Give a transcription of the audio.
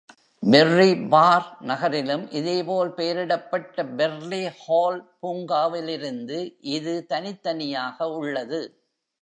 Berry Barr நகரிலும் இதேபோல் பெயரிடப்பட்ட பெர்ரி ஹால் பூங்காவிலிருந்து இது தனித்தனியாக உள்ளது.